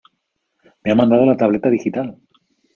¡Me han mangado la tableta digital!